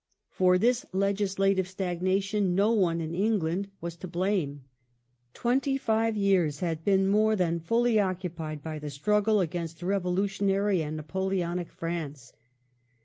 For this legislative stag nation no one in England was to blame. Twenty five yeai s had been more than fully occupied by the struggle against revolutionary and Napoleonic France.